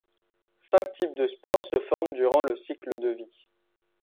Cinq types de spores se forment durant le cycle de vie.